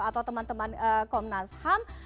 atau teman teman komnas ham